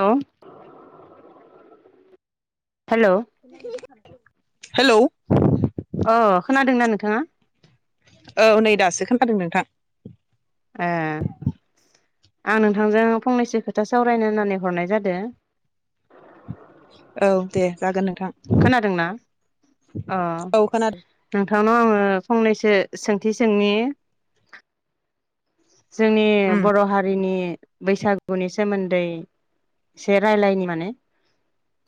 Hello hello अ खोनादोंना नोंथाङा? औ नै दासो खोन्थादों नोंथां। ए आं नोंथांजों फंनैसो खोथा सावरायनो होननानै हरनाय जादों औ दे जागोन नों खोनादोंना अ औ खोनादों नोंथांनाव आंङो फंनैसो सोंथि सोंनि जोंनि उम बर' हारिनि बैसागुनि सोमोन्दै एसे रायलायनि माने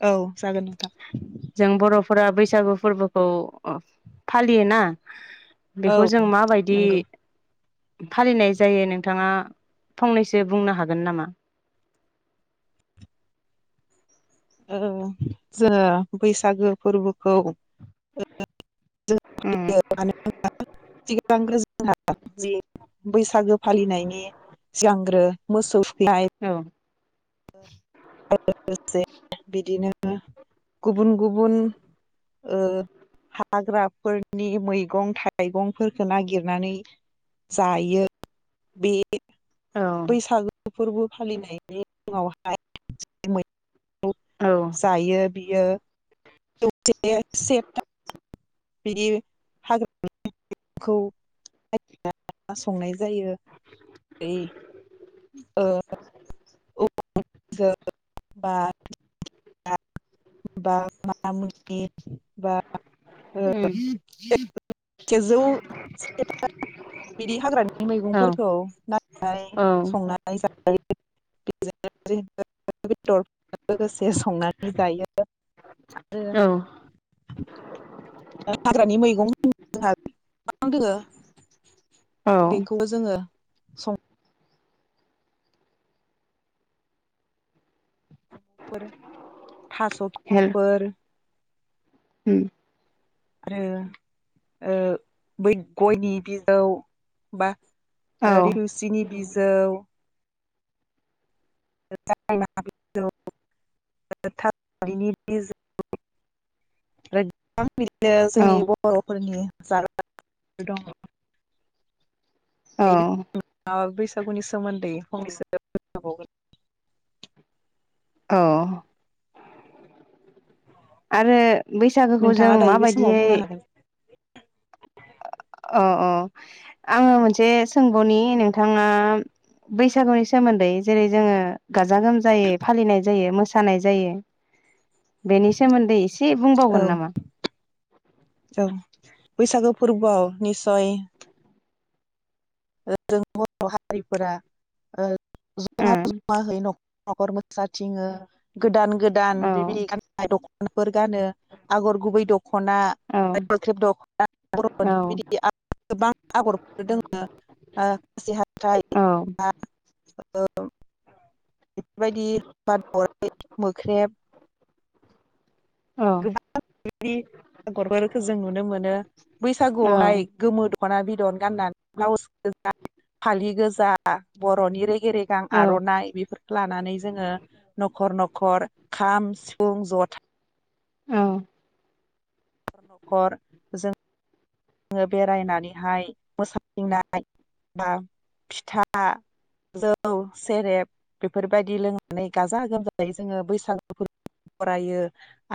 औ जागोन नोंथां फोरा बैसागु फोरबोखौ फालियो ना औ बेखौ जों माबायदि नंगौ फालिनाय जायो नोंथाङा फंनैसो बुंनो हागोन नामा? औ जोङो बैसागो फोरबोखौ ओ उम मानो होमब्ला सिगांग्रो जोंहा जि बैसागो फालिनायनि सिगांग्रो मोसौ थुखैनाय औ। लोगोसे बिदिनो गुबुन गुबुन ओ हाग्राफोरनि मैगं थाइगंफोरखौ नागिरनानै जायो। बे औ बैसागो फोरबो फालिनायनि उावहाय [unintelligible] [unintelligible] औ जायो। बियो [unintelligible] [unintelligible] [unintelligible] [unintelligible] उम बिदि हाग्रानि औ मैगंफोरखौ नायगिरनानै संनानै जायो। [unintelligible] [unintelligible] लोगोसे संनानै जायो आरो औ औ हाग्रानि मैगं होनोबा जोहा गोबां दोङो। औ बेखौ जोङो सं फोर, थास खिलिफोर उम आरो ओ बै गयनि बिजौ बा औ ओ रिवसिनि बिजौ [unintelligible] [unintelligible] बिदिनो जोंनि औ बरफोरनि जाग्रा दङ। औ [unintelligible] माबा बैसागुनि सोमोन्दै फंनैसो बुंनो हाबावगोन। अ आरो बैसागोखौ जों नोंथाङा दायो मा बे समाव बादियै बुंनो हागोन। अ अ आङो मोनसे सोंबावनि नोंथाङा बैसागुनि सोमोन्दै जेरै जोङो गाजा गोमजायै फालिनाय जायो मोसानाय जायो। बेनि सोमोन्दै इसे औ बुंबावगोन नामा? औ बैसागो फोरबोआव निसय जों बर' हारिफोरा ओ औ जमा जमाहै न'खर न'खर मो साथिङो। गोदान गोदान औ बिबायदि गाननाय दखानफोर गानो आगर गुबै दख औ दख'ना औ [unintelligible] गोबां आगरफोर दोङो। ओ खासि औ हाथाइ ओ बेफोरबायदि दावराइ मोख्रेब औ गोबां आगरफोरखौ जों नुनो मोनो बैसागुआवहाय गोमो दख' दख'ना बिदन गाननानै ब्लाउस [inaudible] फालि गोजा बर'नि रेग गेरेगां औ आर'नाइ बेफोरखौ लानानै जोङो न'खर न'खर खाम सि फुं, जथा औ न'खर जों जोङो बेरायनानैहाय मोसाथिंनाय बा फिथा जौ सेरेब बेफोरबायदि लोंनानै गाजा गोमजायै जोङो बैसागु फोरबोखौ बरायो।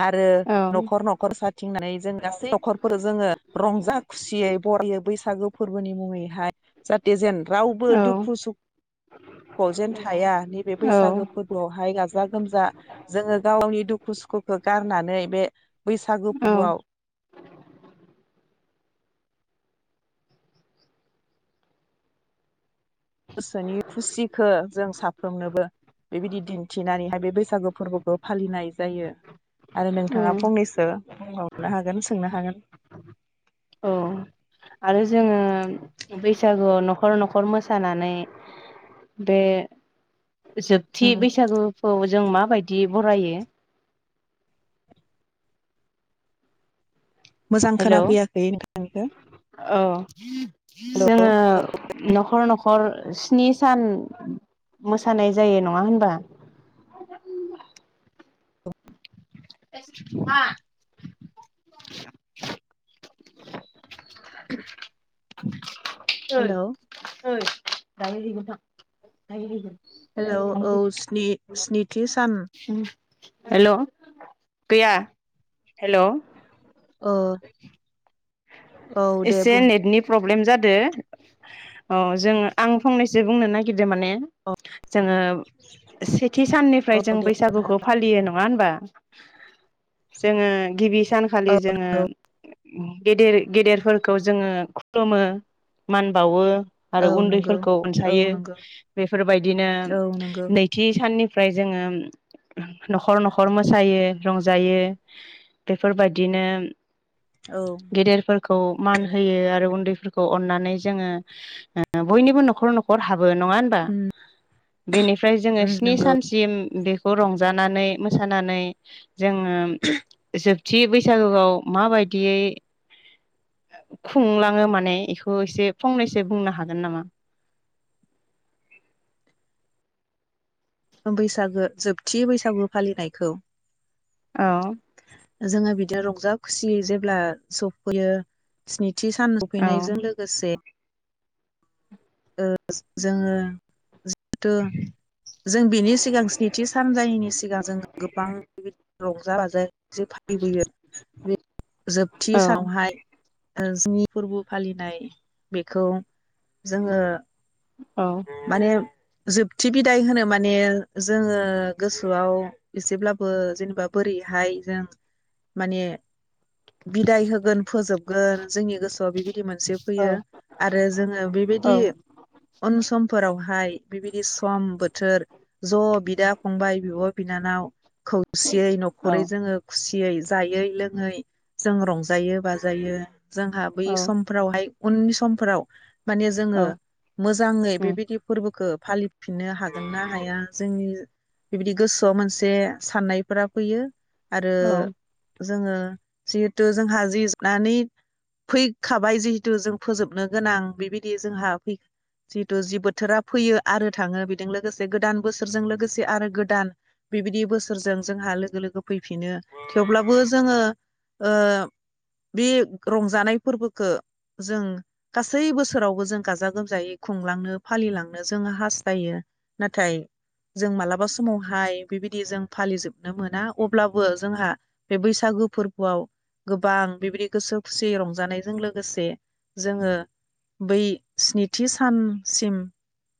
आरो औ न'खर न'खर सा थिंनानै जों गासै न'खरफोर जोङो रंजा खुसियै बरायो बैसागो फोरबोनि मुङैहाय जाहाथे जेन रावबो दुखु सुखुखौ जेन थाया नैबे बैसागो औ फोरबोआवहाय गाजा गोमजा जोङो गावनि दुखु सुखुखौ गारनानै बे बैसागो फोरबोआव गोसोनि खुसिखो जों साफ्रोमनोबो बेबायदि दिन्थिनानैहाय बे बैसागो फोरबोखौ फालिनाय जायो। आरो नोंथाङा औ फंनैसो बुंबावनो हागोन सोंनो हागोन औ आरो जोङो बैसागुआव न'खर न'खर मोसानानै बे जोबथि बैसागुखौ जों माबायदि बरायो मोजां खोना हेलौ फैयाखै नोंथांनिखो [inaudible] जोङो न'खर न'खर हर स्नि सान मोसानाय जायो नङा होनबा [unintelligible] ओइ हेलौ ओइ [unintelligible] हेलौ औ स्नि-स्निथि सान हेलौ गैया हेलौ अ एसे नेटनि प्र प्रब्लेम जादो अ जों आं फंनैसो बुंनो नागिरदों माने जोङो सेथि साननिफ्राय जों बैसागुखौ फालियो नङा होनबा जोङो गिबि सानखालि जोङो गेदेर फोरखौ जोङो खुलुमो मान बावो आरो औ नंगौ उन्दैफोरखौ औ अनसायो नंगौ बेफोरबायदिनो औ नंगौ नैथि साननि ओमफ्राय जोङो न'खर न'खर मोसायो रंजायो बेफोरबायदिनो औ गेदेरफोर खौ मान होयो आरो उन्दैफोरखौ अननानै जोङो ओ बयनिबो न'खर न'खर हाबो नङा होनबा बेनिफ्राय जोङो उम स्नि नंगौ सानसिम बे खौ रंजानानै मोसानानै जोङो जो थि बैसागुआव माबायदियै खुंलाङो माने एखौ एसे फंनैसो बुंनो हागोन नामा? बैसागो जोबथि बैसागु फालिनायखौ औ जोङो बिदिनो रंजा खुसि जेब्ला सफैयो स्नि थि सान औ सफैनायजों लोगोसे ओ जोङो थ' जों बिनि सिगां स्निथि सानजायैनि सिगां जों गोबां बिबाय रंजा बाजा जो फालिबोयो बे जोबथि औ सावहाय ओ जिनि फोरबो फालिनाय बेखौ जोङो औ माने जोबथि बिदाय होनो माने जोङो गोसोआव एसेब्लाबो जेनेबा बोरैहाय जों माने बिदाय होगोन फोजोबगोन जोंनि गोसोआव बेबायदि मोनसे फैयो आरो जोङो औ बेबायदि उन समफोरावहाय बिबायदि सम बोथोर ज' बिदा फंबाय बिब' बिनानाव खौसेयै न'खरै जोङो खुसि यै जायै लोङै जों रंजायो बाजायो। जोंहा बै औ समफोरावहाय उननि समफोराव माने जोङो औ मोजाङै बेबायदि फोरबो खो फालिफिननो हागोन ना हाया जोंनि बिबायदि गोसोआव मोनसे साननायफोरा फैयो आरो औ जोङो जिहेथु जोंहा [unintelligible] नानि फैखाबाय जिहेतु जों फोजोबनो गोनां बेबायदि जोंहा फै जिहेथु जि बोथोरा फैयो आरो थाङो बेदों लोगोसे गोदान बोसोरजों लोगोसे आरो गोदान बेबायदि बोसोरजों जोंहा लोगो लोगो फैफिनो थेवब्लाबो जोङो ओ बे रंजानाय फोरबोखौ जों गासै बोसोरावबो जों गाजा गोमजायै खुंलांनो फालिलांनो जोङो हास्थायो नाथाय जों मालाबा समावहाय बेबायदि जों फालिजोबनो मोना अब्लाबो जोंहा बे बैसागु फोर्बोआव गोबां बेबायदि गोसो खुसियै रंजानायजों लोगोसे जोङो बै स्निथि सानसिम।